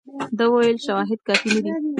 ده وویل شواهد کافي نه دي.